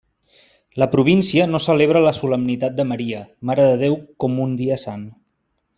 La província no celebra la solemnitat de Maria, Mare de Déu com un dia sant.